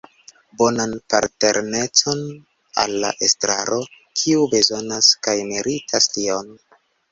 Bonan partnerecon al la Estraro, kiu bezonas kaj meritas tion.